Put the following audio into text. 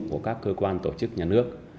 của các cơ quan tổ chức nhà nước